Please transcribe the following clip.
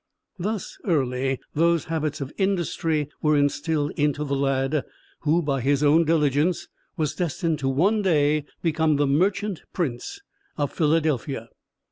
Thus early those habits of industry were instilled into the lad who, by his own diligence, was destined to one day become the merchant prince of Philadelphia.